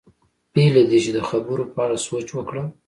بې له دې چې د خبرو په اړه سوچ وکړم.